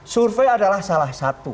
survei adalah salah satu